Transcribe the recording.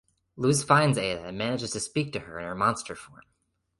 Luz finds Eda and manages to speak to her in her monster form.